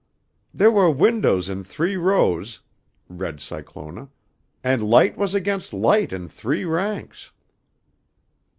"There were windows in three rows," read Cyclona, "and light was against light in three ranks."